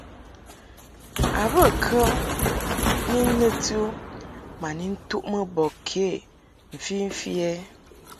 A bə kə ni nɨti u ma ni ntuʼmɨ bɔ ke mfimfi ɛ ?